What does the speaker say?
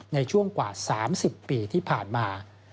ในช่วงกว่า๓๐ปีที่ผ่านมา